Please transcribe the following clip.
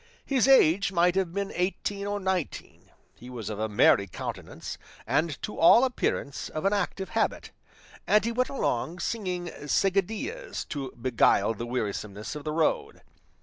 His age might have been eighteen or nineteen; he was of a merry countenance, and to all appearance of an active habit, and he went along singing seguidillas to beguile the wearisomeness of the road.